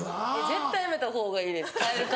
絶対やめた方がいいです蛙化。